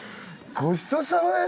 ごちそうさまです。